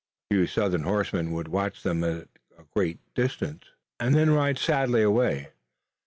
A few Southern horsemen would watch them at a great distance and then ride sadly away.